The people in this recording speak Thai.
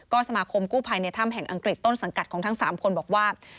สมาคมกู้ภัยในถ้ำแห่งอังกฤษต้นสังกัดของทั้ง๓คนบอกว่า